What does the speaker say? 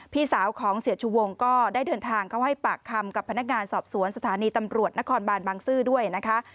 พี่สาวของเสียชูวงก็ได้เดินทางเข้าให้ปากคำกับพนักงานสอบสวนสถานีตำรวจนครบานบางซื่อด้วยนะคะ